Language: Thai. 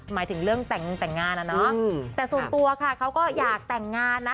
หมายถึงเรื่องแต่งงานอะเนาะแต่ส่วนตัวค่ะเขาก็อยากแต่งงานนะ